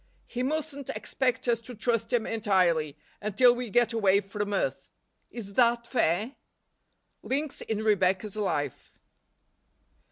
He mustn't expect us to trust Him entirely, until we get away from earth. Is that fair ? Links in Rebecca's Life.